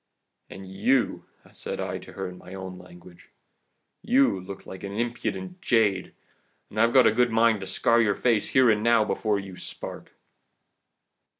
"'And you,' said I to her in my own language, 'you look like an impudent jade and I've a good mind to scar your face here and now, before your spark.